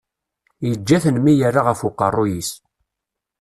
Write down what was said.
Yeǧǧa-ten mi yerra ɣef uqerruy-is.